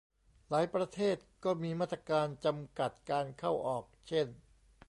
หลายประเทศก็มีมาตรการจำกัดการเข้าออก เช่น